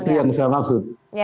itu yang saya maksud